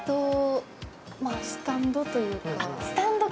スタンドというか。